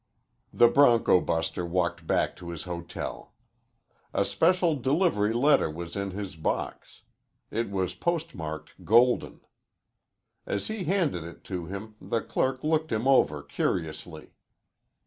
The bronco buster walked back to his hotel. A special delivery letter was in his box. It was postmarked Golden. As he handed it to him the clerk looked him over curiously.